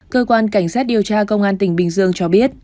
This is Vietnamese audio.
cơ quan cảnh sát điều tra công an tỉnh bình dương cho biết